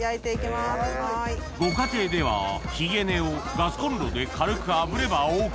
ご家庭ではひげ根をガスコンロで軽く炙ればＯＫ